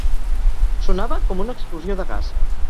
Sonava com una explosió de gas.